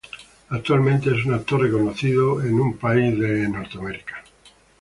Actualmente es un actor reconocido en los Estados Unidos.